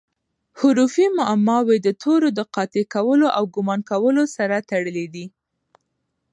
حروفي معماوي د تورو د قاطع کولو او ګومان کولو سره تړلي دي.